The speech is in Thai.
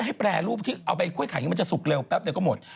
แปรรูปที่เอาไปกล้วยไข่นี้มันจะสุกเร็วแป๊บเดียวก็หมด